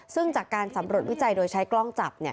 ซึ่งจากการสำรวจวิจัยโดยใช้กล้องจับ